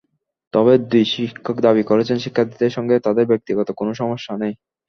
তবে দুই শিক্ষক দাবি করেছেন, শিক্ষার্থীদের সঙ্গে তাঁদের ব্যক্তিগত কোনো সমস্যা নেই।